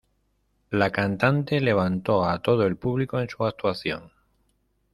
La cantante levantó a todo el público en su actuación.